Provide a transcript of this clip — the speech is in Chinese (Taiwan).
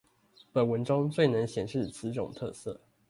本文中最能顯示此種特色